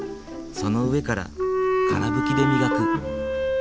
その上からから拭きで磨く。